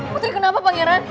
putri kenapa pak yaran